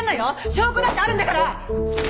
証拠だってあるんだから！